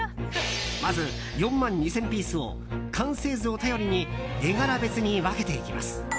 まず、４万２０００ピースを完成図を頼りに絵柄別に分けていきます。